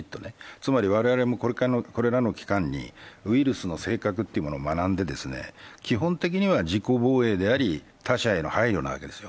つまり我々これらの期間にウイルスの性格というものを学んで、基本的には自己防衛であり他者への配慮なわけですよ。